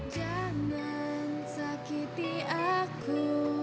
jangan sakiti aku